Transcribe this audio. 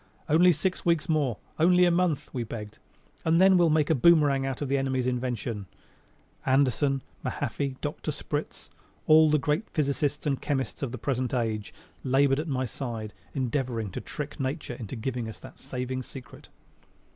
"Only six weeks more, only a month," we begged, "and then we'll make a boomerang out of the enemy's invention." Anderson, Mahaffey, Dr. Spritz all the great physicists and chemists of the present age labored at my side endeavoring to trick Nature into giving us that saving secret.